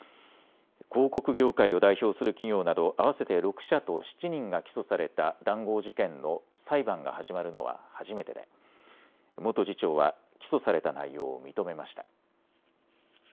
広告業界を代表する企業など合わせて６社と７人が起訴された談合事件の裁判が始まるのは初めてで元次長は起訴された内容を認めました。